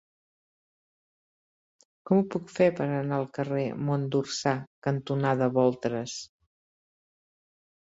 Com ho puc fer per anar al carrer Mont d'Orsà cantonada Boltres?